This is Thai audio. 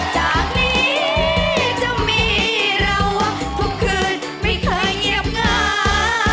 จากนี้จะมีเราทุกคืนไม่เคยเงียบงา